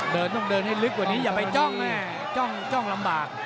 เดินต้องเดินให้ลึกกว่านี้อย่าไปจ้องแน่จ้องลำบาก